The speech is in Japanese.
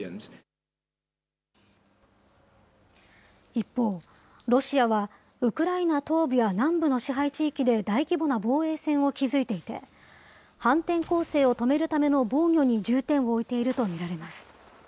一方、ロシアはウクライナ東部や南部の支配地域で大規模な防衛線を築いていて、反転攻勢を止めるための防御に重点を置いていると見られます。